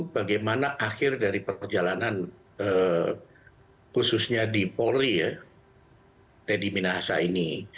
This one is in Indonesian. bagaimana akhir dari perjalanan khususnya di polri ya teddy minahasa ini